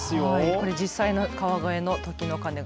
これ実際の川越の時の鐘。